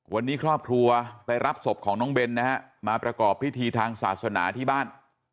วันนี้ครอบครัวไปรับศพของน้องเบนนะฮะมาประกอบพิธีทางศาสนาที่บ้าน